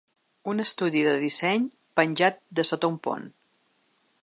Un estudi de disseny penjat de sota un pont.